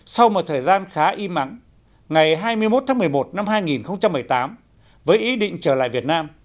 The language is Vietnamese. sau một thời gian khá im ắng ngày hai mươi một tháng một mươi một năm hai nghìn một mươi tám với ý định trở lại việt nam